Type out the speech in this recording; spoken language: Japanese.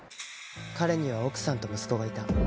彼には奥さんと息子がいた。